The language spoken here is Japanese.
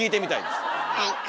はい。